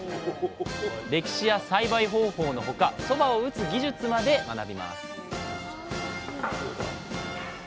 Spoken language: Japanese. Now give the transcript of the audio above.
歴史や栽培方法のほかそばを打つ技術まで学びます